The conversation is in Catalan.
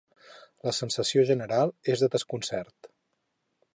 La sensació general és de desconcert.